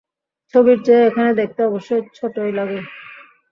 ছবির চেয়ে এখানে দেখতে অবশ্য ছোটই লাগে।